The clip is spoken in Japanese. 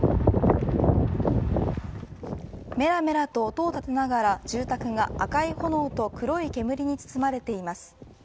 メラメラと音を立てながら住宅が赤い炎と黒い煙に包まれています。